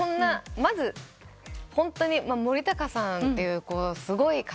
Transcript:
まずホントに森高さんっていうすごい方に。